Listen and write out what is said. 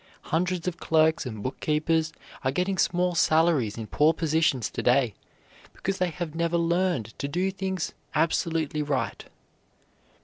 Hundreds of clerks and book keepers are getting small salaries in poor positions today because they have never learned to do things absolutely right.